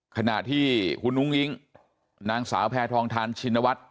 ขณะที่คุณอุ้งอิ๊งนางสาวแพทองทานชินวัฒน์